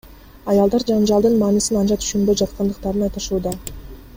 Аялдар жаңжалдын маанисин анча түшүнбөй жаткандыктарын айтышууда.